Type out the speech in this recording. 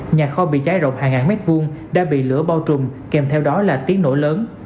nhà kho bị cháy rộng hàng ngàn mét vuông đã bị lửa bao trùm kèm theo đó là tiếng nổ lớn